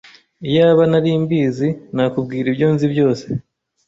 Iyaba nari mbizi, nakubwira ibyo nzi byose.